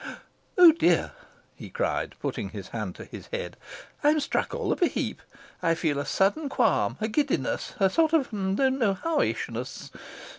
"Oh dear!" he cried, putting his hand to his head; "I'm struck all of a heap. I feel a sudden qualm a giddiness a sort of don't know howishness.